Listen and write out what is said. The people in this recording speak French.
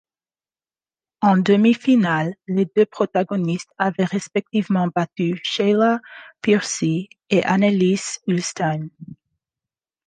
En demi-finale, les deux protagonistes avaient respectivement battu Sheila Piercey et Annelies Ullstein.